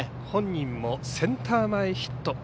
本人もセンター前ヒット。